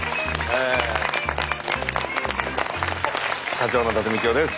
社長の伊達みきおです。